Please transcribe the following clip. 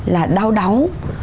là đau đáu